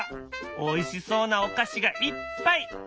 おいしそうなお菓子がいっぱい。